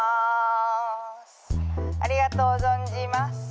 ありがとう存じます。